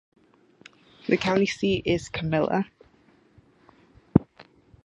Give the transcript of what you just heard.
The county seat is Camilla.